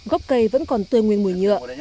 gốc cây vẫn còn tươi nguyên mùi nhựa